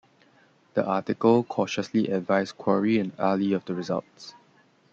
The article cautiously advised Quarry and Ali of the results.